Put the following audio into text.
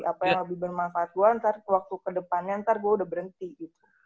maksudnya itu yang bermanfaat gua ntar waktu kedepannya ntar gua udah berhenti gitu